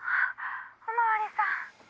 お巡りさん！